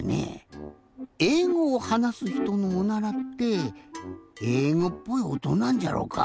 えいごをはなすひとのおならってえいごっぽいおとなんじゃろうか？